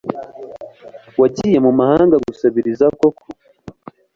Wagiye Mu mahanga gusabiriza koko ,